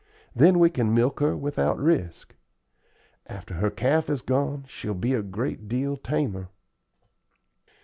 Then we can milk her without risk. After her calf is gone she'll be a great deal tamer."